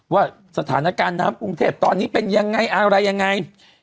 ว่าสถานการณ์น้ำกรุงเทพตอนนี้เป็นยังไงอะไรยังไง